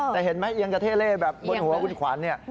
แต่เห็นไหมเอียงกระเทเล่แบบบนหัวคุณขวัญเนี่ย